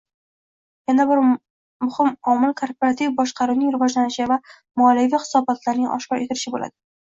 Yana bir muhim omil korporativ boshqaruvning rivojlanishi va moliyaviy hisobotlarning oshkor etilishi bo'ladi